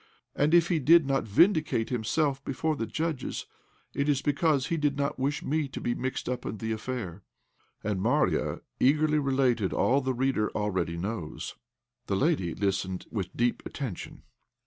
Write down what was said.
And if he did not vindicate himself before the judges, it is because he did not wish me to be mixed up in the affair." And Marya eagerly related all the reader already knows. The lady listened with deep attention.